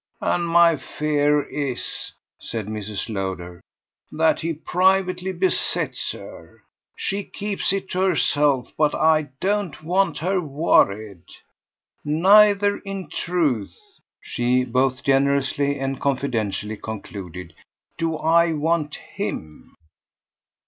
And my fear is," said Mrs. Lowder, "that he privately besets her. She keeps it to herself, but I don't want her worried. Neither, in truth," she both generously and confidentially concluded, "do I want HIM."